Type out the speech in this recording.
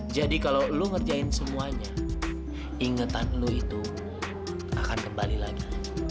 jadi kalau lo ngerjain semuanya ingetan lo itu akan kembali lagi